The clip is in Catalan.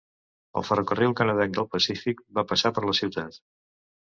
El ferrocarril canadenc del Pacífic va passar per la ciutat.